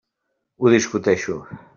Ho discuteixo.